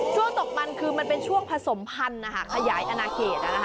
ตกมันคือมันเป็นช่วงผสมพันธุ์ขยายอนาเขต